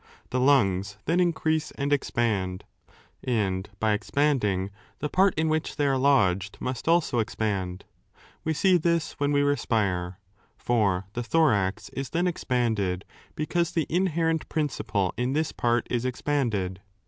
^ The lungs then increase and expand, and, by expanding, the part in which they are lodged must also expand. We see this .3 when we respire. For the thorax is then expanded, because the inherent principle in this part is expanded.